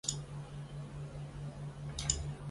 我出来找找